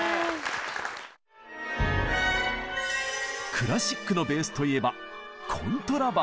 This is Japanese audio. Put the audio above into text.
クラシックのベースといえばコントラバス。